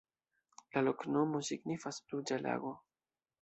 La loknomo signifas: ruĝa lago.